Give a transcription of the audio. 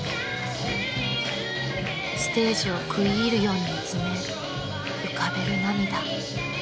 ［ステージを食い入るように見つめ浮かべる涙］